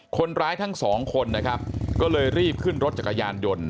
คนร้ายทั้ง๒คนนะครับก็เลยรีบขึ้นรถจักรยานยนต์